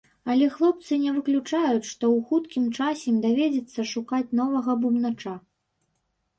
Але хлопцы не выключаюць, што ў хуткім часе ім давядзецца шукаць новага бубнача.